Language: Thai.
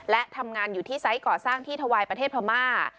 และทำงานอยู่ที่ไซส์ก่อสร้างที่ถวายประเทศพม่า